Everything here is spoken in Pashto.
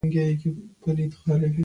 درناوی یې نه درلود.